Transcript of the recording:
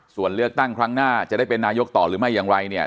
ส่วนเลือกตั้งครั้งหน้าจะได้เป็นนายกต่อหรือไม่อย่างไรเนี่ย